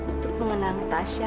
untuk mengenang tasya